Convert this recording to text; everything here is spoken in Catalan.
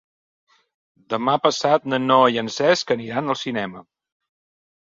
Demà passat na Noa i en Cesc aniran al cinema.